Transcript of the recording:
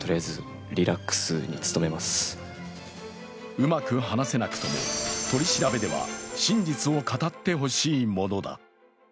うまく話せなくとも取り調べでは真実を語って欲しいものだ。